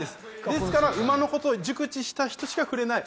ですから馬のことを熟知した人しか振れない。